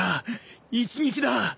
一撃だ。